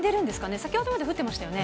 先ほどまで降ってましたよね。